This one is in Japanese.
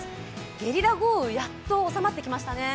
ゲリラ豪雨、やっと収まってきましたね。